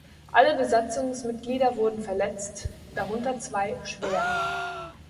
Alle Besatzungsmitglieder wurden verletzt, darunter zwei schwer.